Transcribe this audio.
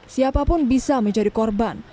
siapapun bisa menjadi korban